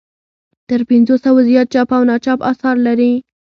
تر پنځو سوو زیات چاپ او ناچاپ اثار لري.